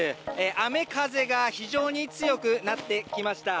雨風が非常に強くなってきました。